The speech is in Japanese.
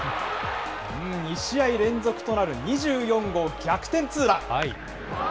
２試合連続となる２４号逆転ツーラン。